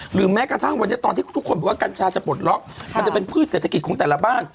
แม้กระทั่งวันนี้ตอนที่ทุกคนบอกว่ากัญชาจะปลดล็อกมันจะเป็นพืชเศรษฐกิจของแต่ละบ้าน